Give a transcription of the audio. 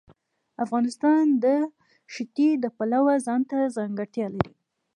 افغانستان د ښتې د پلوه ځانته ځانګړتیا لري.